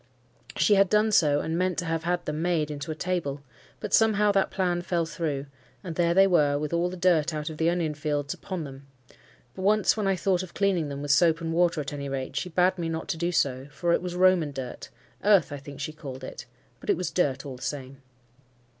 She had done so, and meant to have had them made into a table; but somehow that plan fell through, and there they were with all the dirt out of the onion field upon them; but once when I thought of cleaning them with soap and water, at any rate, she bade me not to do so, for it was Roman dirt—earth, I think, she called it—but it was dirt all the same.